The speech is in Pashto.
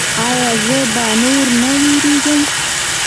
ایا زه به نور نه ویریږم؟